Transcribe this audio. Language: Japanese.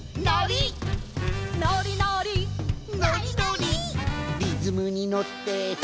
「リズムにのって」「」